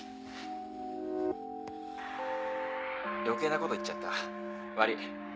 余計なこと言っちゃった悪い。